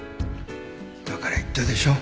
だから言ったでしょ。